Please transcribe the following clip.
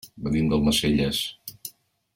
Venim d'Almacelles.